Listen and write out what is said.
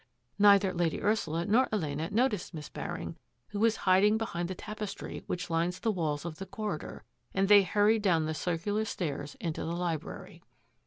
Neither Lady Ursula nor Elena noticed Miss Baring, who was hiding behind the tapestry which lines the walls of that corridor, and they hurried down the circular stairs into the library.